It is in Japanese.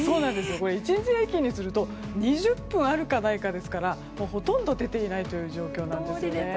これ、１日平均で２０分あるかないかですからほとんど出ていない状況なんですね。